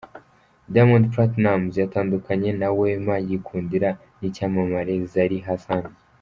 Diamond Platnumz yatandukanye na Wema, yikundanira n'icyamamare Zari Hassan.